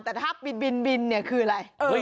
ถ้าบินคืออะไร